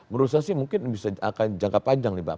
menurut saya sih mungkin bisa akan jangka panjang nih bang